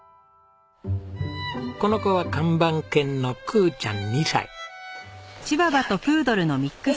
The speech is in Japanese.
この子は看板犬の空ちゃん２歳。